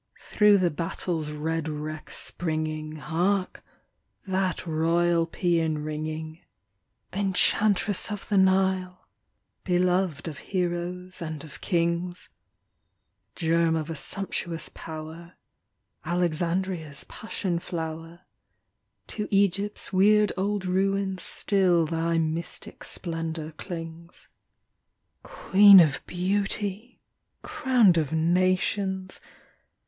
Through the battle's red wreck springing Hark ! that royal paean ringing : "Enchantress of the Nile!" beloved of heroes and of kings ; Grerm of a sumptuous power, — Alexandria's passion flower, — To Egypt's weird old ruin still thy mystic splendor clings. Queen of beauty ! crowned of nations.